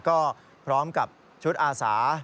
ก็พร้อมกับชุดอาสา